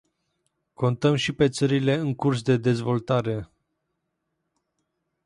Contăm și pe țările în curs de dezvoltare.